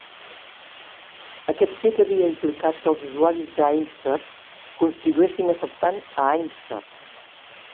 Aquest fet havia implicat que els usuaris de Aimster continuessin afectant a Aimster.